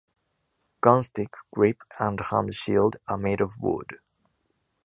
Gun stick, grip and hand shield are made of wood.